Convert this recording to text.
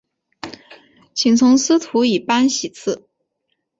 请从司徒以班徙次。